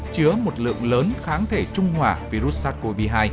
chứa một lượng lớn kháng thể trung hòa virus sars cov hai